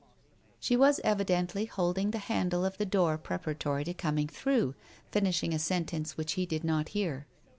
She was evidently holding the handle of the door pre paratory to coming through, finishing a sentence which he did not hear.